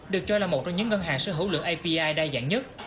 được cho là một trong những ngân hàng sở hữu lượng api đa dạng nhất